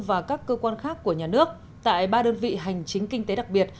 và các cơ quan khác của nhà nước tại ba đơn vị hành chính kinh tế đặc biệt